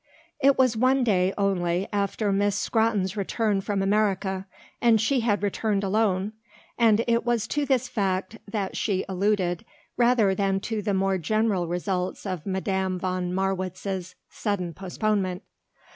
It was one day only after Miss Scrotton's return from America and she had returned alone, and it was to this fact that she alluded rather than to the more general results of Madame von Marwitz's sudden postponement.